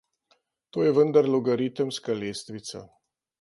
To je vendar logaritemska lestvica.